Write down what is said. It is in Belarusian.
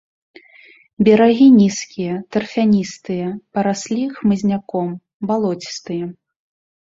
Берагі нізкія, тарфяністыя, параслі хмызняком, балоцістыя.